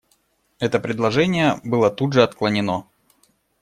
Это предложение было тут же отклонено.